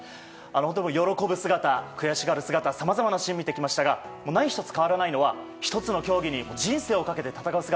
本当に喜ぶ姿、悔しがる姿さまざまなシーンを見てきましたが何１つ変わらないのは１つの競技に人生をかけて戦う姿